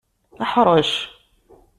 Ḥrec!